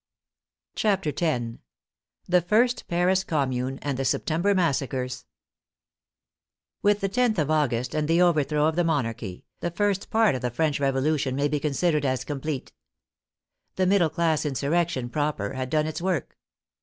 CHAPTER X THE FIRST PARIS COMMUNE AND THE SEPTEMBER MASSACRES With the loth of August and the overthrow of the Monarchy, the first part of the French Revolution may be considered as complete. The middle class insurrection proper had done its work.